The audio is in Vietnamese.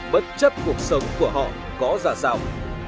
bất chấp cuộc sống của họ có giả sảo